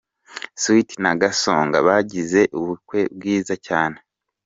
Sweety na Gasongo bagize ubukwe bwiza cyane.